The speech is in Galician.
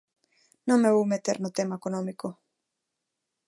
Non me vou meter no tema económico.